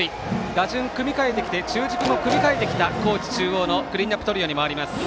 打順組み替えてきて中軸も組み替えてきた高知中央のクリーンアップトリオに回ります。